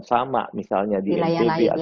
sama misalnya di ntd